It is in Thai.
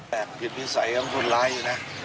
ผิดวิสัยของคนร้ายอยู่นะ